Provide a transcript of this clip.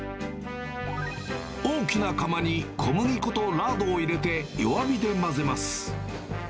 大きな釜に小麦粉とラードを入れて弱火で混ぜます。